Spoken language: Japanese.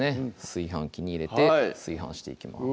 炊飯器に入れて炊飯していきます